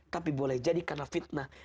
tapi boleh jadi karena fitnah